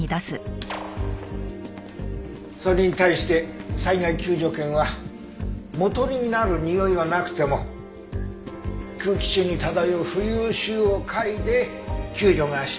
それに対して災害救助犬は元になるにおいはなくても空気中に漂う浮遊臭を嗅いで救助が必要な人を捜す。